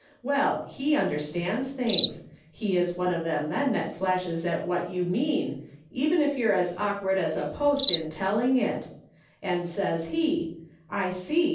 Well, he understands things — he is one of them men that flashes at what you mean, even if you're as awkward as a post in telling it, and says he, ' I see.